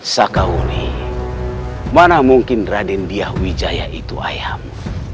sakawuni mana mungkin raden diyah wijaya itu ayahmu